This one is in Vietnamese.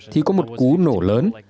thì có một cú nổ lớn